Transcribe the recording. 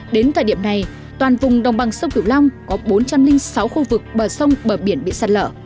đến thời điểm này toàn vùng đồng bằng sông cửu long có bốn trăm linh sáu khu vực bờ sông bờ biển bị sạt lở